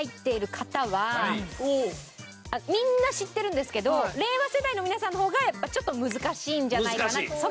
みんな知ってるんですけど令和世代の皆さんの方がやっぱちょっと難しいんじゃないかな。